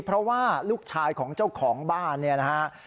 เพราะว่าลูกชายของเจ้าของบ้านเนี่ยนะฮะ